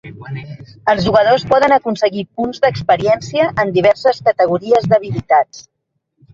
Els jugadors poden aconseguir punts d'experiència en diverses categories d'habilitats.